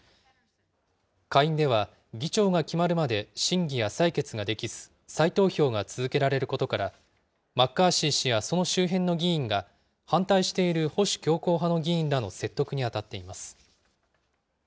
下院では議長が決まるまで審議や採決ができず、再投票が続けられることから、マッカーシー氏やその周辺の議員が、反対している保守強硬派の議員らの説得に当たっています。